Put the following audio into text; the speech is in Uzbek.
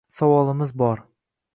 Savolimiz bor…